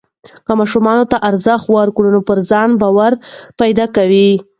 که ماشوم ته ارزښت ورکړو نو پر ځان باور پیدا کوي.